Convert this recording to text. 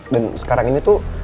dan sekarang ini tuh